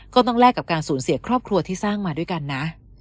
แลกกับการสูญเสียครอบครัวที่สร้างมาด้วยกันนะ